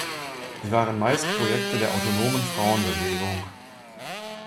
Sie waren meist Projekte der autonomen Frauenbewegung.